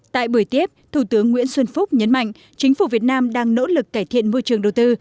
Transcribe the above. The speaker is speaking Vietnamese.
tại buổi tiếp thủ tướng nguyễn xuân phúc nhấn mạnh chính phủ việt nam đang nỗ lực cải thiện môi trường đầu tư